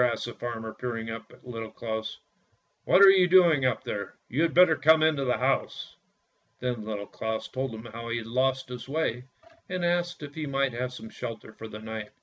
asked the farmer, peering up at Little Claus. "What are you doing up there? You had better come into the house." Then Little Claus told him how he had lost his way, and asked if he might have shelter for the night.